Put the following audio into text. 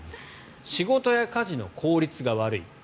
仕事や家事の効率が悪い。